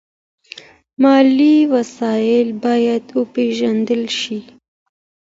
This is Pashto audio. مالي وسایل باید وپیژندل شي.